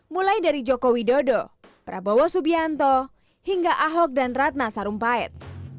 mulai dari joko widodo prabowo subianto hingga ahok dan ratna sarumpait